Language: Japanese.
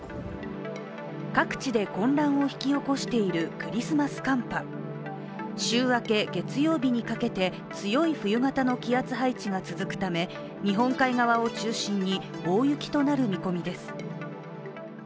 各地で混乱を引き起こしているクリスマス寒波週明け月曜日にかけて強い冬型の気圧配置が続くため日本海側を中心に大雪となる見込みです。